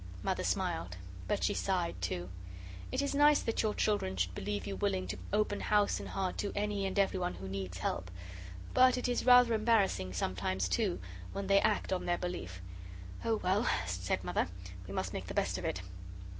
Mother smiled, but she sighed, too. It is nice that your children should believe you willing to open house and heart to any and every one who needs help. But it is rather embarrassing sometimes, too, when they act on their belief. "Oh, well," said Mother, "we must make the best of it."